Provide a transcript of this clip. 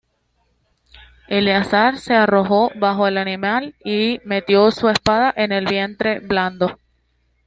Eleazar se arrojó bajo el animal y metió su espada en el vientre blando.